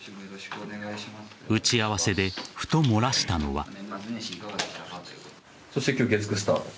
打ち合わせで、ふと漏らしたのは。